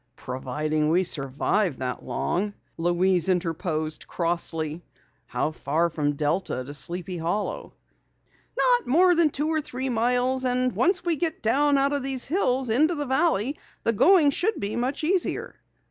"Providing we survive that long," Louise interposed crossly. "How far from Delta to Sleepy Hollow?" "Not more than two or three miles. And once we get down out of these hills into the valley, the going should be much easier."